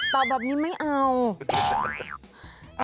เต่าแบบนี้ไม่เอา